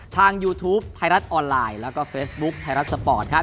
ยูทูปไทยรัฐออนไลน์แล้วก็เฟซบุ๊คไทยรัฐสปอร์ตครับ